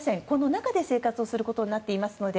中で生活することになっていますので。